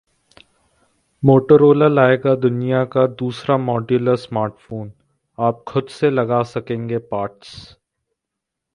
Motorola लाएगा दुनिया का दूसरा मॉड्यूलर स्मार्टफोन, आप खुद से लगा सकेंगे पार्ट्स